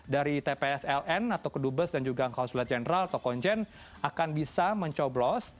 dari tpsln atau kedubes dan juga konsulat general atau konsen akan bisa mencoblos